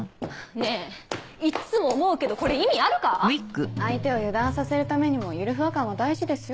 ねぇいっつも思うけどこれ意味あるか⁉相手を油断させるためにもゆるふわ感は大事ですよ。